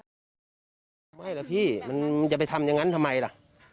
ไม่ล่ะพี่มันจะไปทำอย่างนั้นทำไมล่ะ